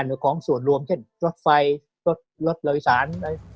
หรือของส่วนรวมเช่นรถไฟรถโรยศาล